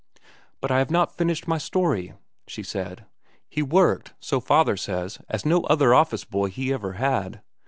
"But I have not finished my story," she said. "He worked, so father says, as no other office boy he ever had.